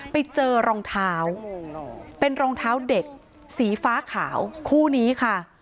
ไปเจอรองเท้าเป็นรองเท้าเด็กสีฟ้าขาวคู่นี้ค่ะ